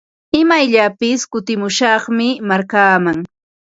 Imayllapis kutimushaqmi markaaman.